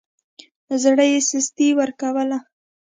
زړه يې سستي ورکوله.